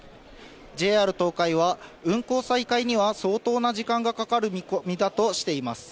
ＪＲ東海は、運行再開には相当な時間がかかる見込みだとしています。